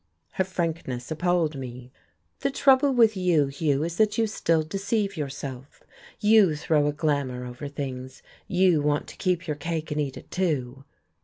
Her frankness appalled me. "The trouble with you, Hugh, is that you still deceive yourself. You throw a glamour over things. You want to keep your cake and eat it too.